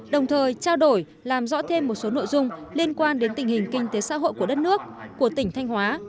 đồng thời trao đổi làm rõ thêm một số nội dung liên quan đến tình hình kinh tế xã hội của đất nước của tỉnh thanh hóa